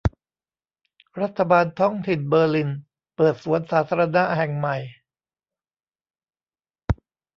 รัฐบาลท้องถิ่นเบอร์ลิน เปิดสวนสาธารณะแห่งใหม่